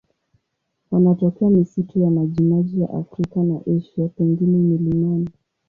Wanatokea misitu ya majimaji ya Afrika na Asia, pengine milimani.